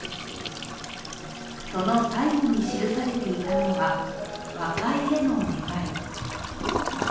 その最後に記されていたのは、和解への願い。